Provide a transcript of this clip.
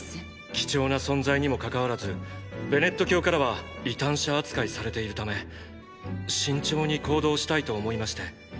貴重な存在にもかかわらずベネット教からは異端者扱いされているため慎重に行動したいと思いまして。